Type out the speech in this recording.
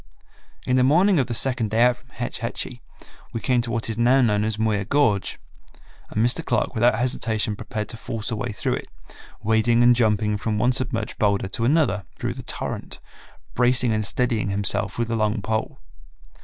In the morning of the second day out from Hetch Hetchy we came to what is now known as "Muir Gorge," and Mr. Clark without hesitation prepared to force a way through it, wading and jumping from one submerged boulder to another through the torrent, bracing and steadying himself with a long pole.